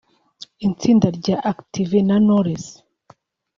itsinda rya Active na Knowless